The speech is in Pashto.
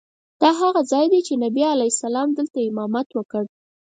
دا هغه ځای دی چې نبي علیه السلام دلته امامت وکړ.